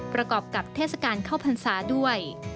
ประกอบกับเทศกาลเข้าพรรษาด้วย